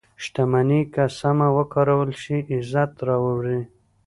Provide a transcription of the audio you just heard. • شتمني که سمه وکارول شي، عزت راوړي.